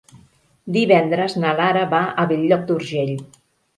Divendres na Lara va a Bell-lloc d'Urgell.